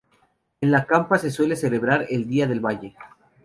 En la campa se suele celebrar el día del valle.